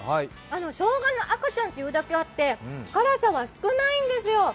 しょうがの赤ちゃんというだけあって、辛さは少ないんですよ。